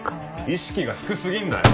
意識が低すぎんだよ！